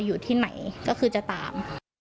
อยู่ที่ไหนก็คือจะตาม